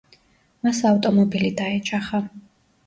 მას ავტომობილი დაეჯახა.